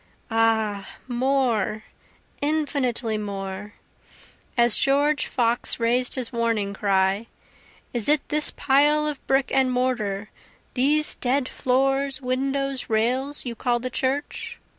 Ah more, infinitely more; (As George Fox rais'd his warning cry, "Is it this pile of brick and mortar, these dead floors, windows, rails, you call the church?